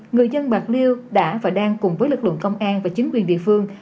người dân bạc liêu đã và đang cùng với lực lượng công an và chính quyền địa phương